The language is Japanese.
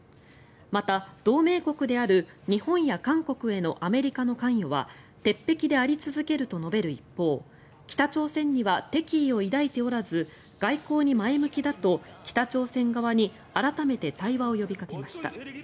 また同盟国である日本や韓国へのアメリカの関与は鉄壁であり続けると述べる一方北朝鮮には敵意を抱いておらず外交に前向きだと北朝鮮側に改めて対話を呼びかけました。